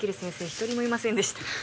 一人もいませんでした